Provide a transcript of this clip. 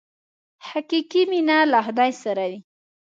حقیقي مینه له خدای سره وي.